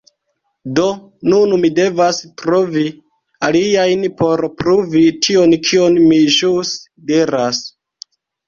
Do nun mi devas trovi aliajn por pruvi tion kion mi ĵus diras.